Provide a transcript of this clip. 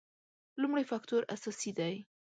لومړی فکټور اساسي دی.